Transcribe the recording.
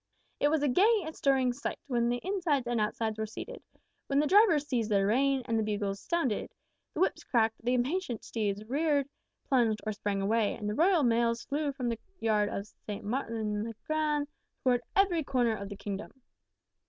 It was a gay and stirring sight when the insides and outsides were seated, when the drivers seized their reins, and the bugles sounded, the whips cracked, the impatient steeds reared, plunged, or sprang away, and the Royal Mails flew from the yard of St. Martin's le Grand towards every corner of the Kingdom.